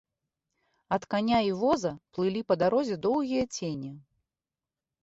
Ад каня і воза плылі па дарозе доўгія цені.